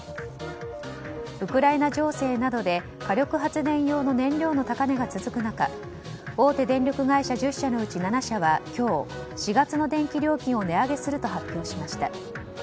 ウクライナ情勢などで火力発電用の燃料の高値が続く中大手電力会社１０社のうち７社は今日、４月の電気料金を値上げすると発表しました。